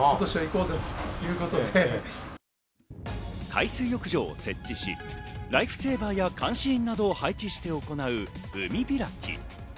海水浴場を設置し、ライフセーバーや監視員などを配置して行う海開き。